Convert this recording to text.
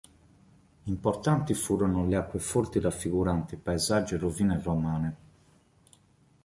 Importanti furono le acqueforti raffiguranti paesaggi e rovine romane.